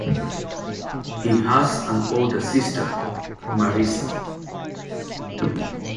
He has an older sister, Marissa.